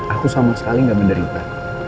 aku sama sekali nggak menderita